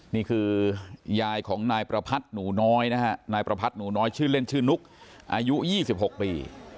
นี่คือยายของนายประพัทธ์หนูน้อยนะฮะนายประพัทธหนูน้อยชื่อเล่นชื่อนุกอายุ๒๖ปี